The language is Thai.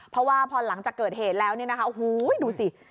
เพราะว่าพอหลังจากเกิดเหตุแล้วเนี่ยนะคะโอ้โหดูสิ